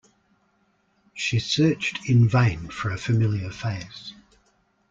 She searched in vain for a familiar face.